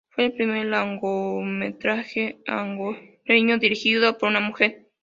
Fue el primer largometraje angoleño dirigido por una mujer.